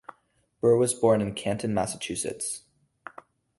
Burr was born in Canton, Massachusetts.